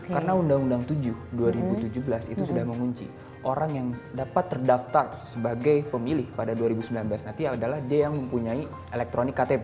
karena undang undang tujuh dua ribu tujuh belas itu sudah mengunci orang yang dapat terdaftar sebagai pemilih pada dua ribu sembilan belas nanti adalah dia yang mempunyai elektronik ktp